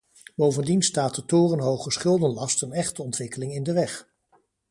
Bovendien staat de torenhoge schuldenlast een echte ontwikkeling in de weg.